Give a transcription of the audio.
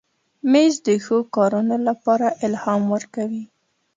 مېز د ښو کارونو لپاره الهام ورکوي.